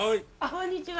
こんにちは。